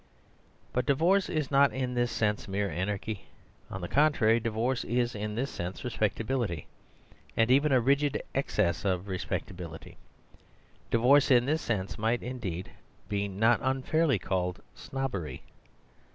But divorce is not in this sense mere anarchy. On the contrary di vorce is in this sense respectability; and even a rigid excess of respectability. Divorce in this sense might indeed be not unfairly called snobbery.